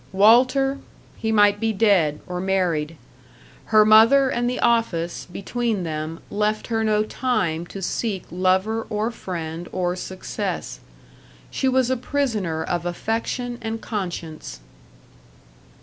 Walter he might be dead, or married. Her mother and the office, between them, left her no time to seek lover or friend or success. She was a prisoner of affection and conscience.